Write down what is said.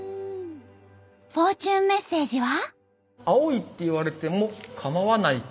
フォーチュンメッセージは？